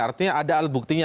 artinya ada alat buktinya